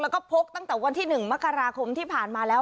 แล้วก็พกตั้งแต่วันที่๑มกราคมที่ผ่านมาแล้ว